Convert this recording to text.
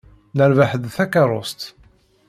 Nerbeḥ-d takeṛṛust.